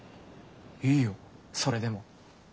いいよそれでも。